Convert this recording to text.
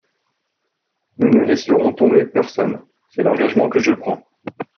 Nous ne laisserons tomber personne, c’est l’engagement que je prends.